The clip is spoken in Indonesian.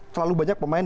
terlalu banyak pemain